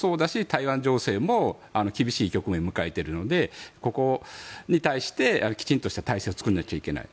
台湾情勢も厳しい局面を迎えているのでここに対してきちんとした体制を作らないといけない。